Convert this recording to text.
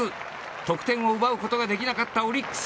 得点を奪うことができなかったオリックス。